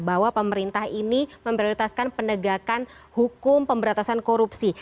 bahwa pemerintah ini memprioritaskan penegakan hukum pemberantasan korupsi